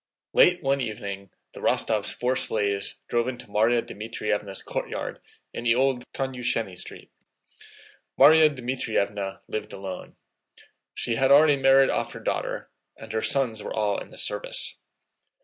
Late one evening the Rostóvs' four sleighs drove into Márya Dmítrievna's courtyard in the old Konyúsheny street. Márya Dmítrievna lived alone. She had already married off her daughter, and her sons were all in the service.